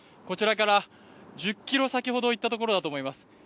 こちらから１０ｋｍ先ほど行ったところだと思います。